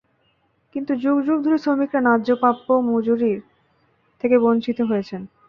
কিন্তু যুগ যুগ ধরে শ্রমিকেরা ন্যায্য প্রাপ্য মজুরি থেকে বঞ্চিত হয়েছেন।